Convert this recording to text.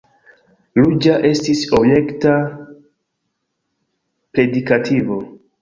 Ruĝa estas objekta predikativo.